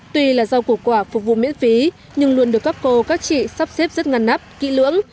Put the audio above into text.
tuy là rau củ quả phục vụ miễn phí nhưng luôn được các cô các chị sắp xếp rất ngăn nắp kỹ lưỡng